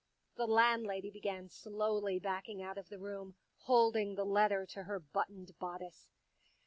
The landlady began slowly backing out of the room, holding the letter to her buttoned bodice.